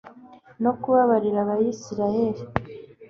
no kubabarira abisirayeli